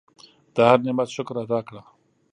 د هر نعمت شکر ادا کړه.